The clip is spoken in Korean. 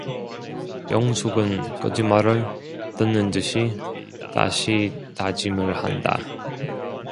영숙은 거짓말을 듣는 듯이 다시 다짐을 한다.